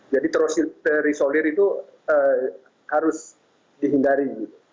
jadi terus terisolir itu harus dihindari gitu